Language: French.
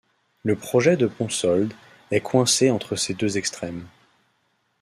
Le projet de Ponsoldt est coincé entre ces deux extrêmes.